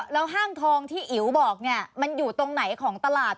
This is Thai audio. แล้วห้างทองที่อิ๋วบอกเนี่ยมันอยู่ตรงไหนของตลาด